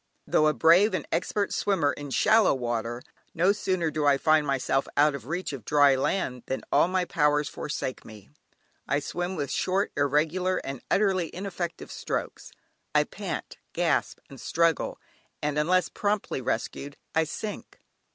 Though a brave and expert swimmer in shallow water, no sooner do I find myself out of reach of dry land, than all my powers forsake me. I swim with short, irregular, and utterly ineffective strokes, I pant, gasp and struggle, and unless promptly rescued, I sink.